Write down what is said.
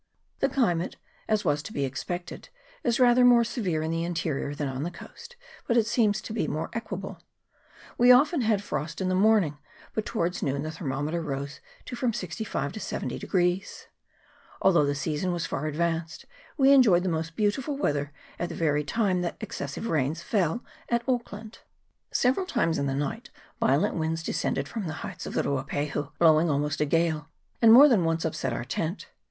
The climate, as was to be expected, is rather more severe in the interior than on the coast, but it seems to be more equable. We often had frost in the morning, but towards noon the thermometer rose to from 65 to 70. Although the season was far advanced, we enjoyed the most beautiful weather at the very time that excessive rains fell at Auckland. Several times in the night violent winds descended from the heights of the Ruapahu, blowing almost a gale, and more than once upset our tent.